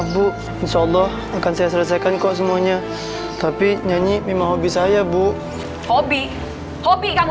bu insya allah akan saya selesaikan kok semuanya tapi nyanyi memang hobi saya bu hobi hobi kamu